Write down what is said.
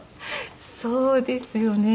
そうですよね。